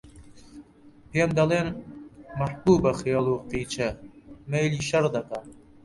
پێم دەڵێن: مەحبووبە خێل و قیچە، مەیلی شەڕ دەکا